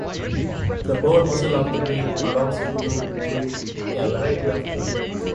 The broad muzzle of the breed allows it to retrieve a variety of game.